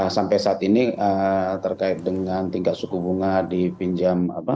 sampai saat ini terkait dengan tingkat suku bunga dipinjam